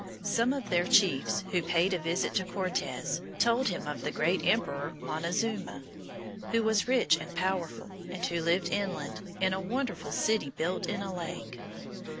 Some of their chiefs, who paid a visit to Cortes, told him of the great Emperor Montezuma, who was rich and powerful, and who lived inland, in a wonderful city built in a lake.